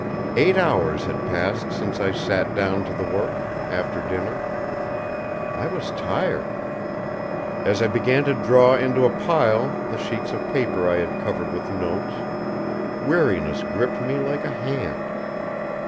Eight hours had passed since I sat down to the work, after dinner. I was tired. As I began to draw into a pile the sheets of paper I had covered with notes, weariness gripped me like a hand.